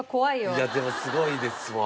いやでもすごいですわ。